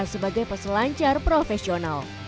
sebagai peselancar profesional